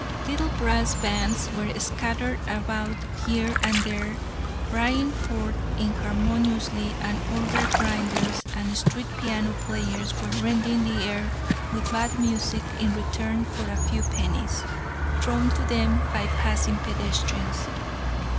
Little brass bands were scattered about here and there, braying forth inharmoniously, and organ grinders and street piano players were rending the air with bad music in return for a few pennies, thrown to them by passing pedestrians.